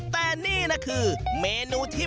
โรงโต้งคืออะไร